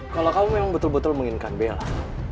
kalau kamu memang betul betul menginginkan bella